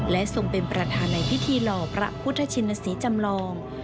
และทรงเป็นประธานในพิธีหล่อพระพุทธชินศรีจำลอง